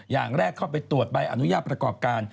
อย่างแรกเข้าไปตรวจใบอนุญาตประกอบการ